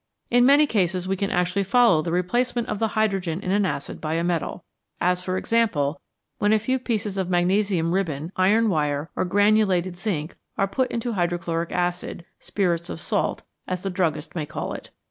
In many cases we can actually follow the replacement of the hydrogen in an acid by a metal ; as, for example, when a few pieces of magnesium ribbon, iron wire, or granulated zinc are put in hydrochloric acid "spirits of salt," as the druggist may call it.